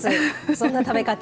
そんな食べ方。